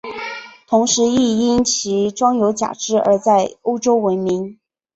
同时亦因其装有假肢而在欧洲闻名。